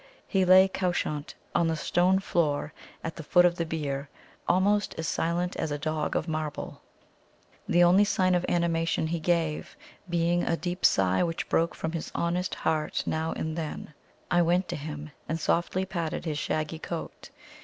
He lay couchant on the stone floor at the foot of the bier, almost as silent as a dog of marble; the only sign of animation he gave being a deep sigh which broke from his honest heart now and then. I went to him and softly patted his shaggy coat.